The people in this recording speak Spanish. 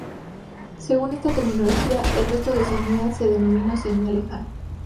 Según esta terminología, el resto de Oceanía se denomina Oceanía Lejana.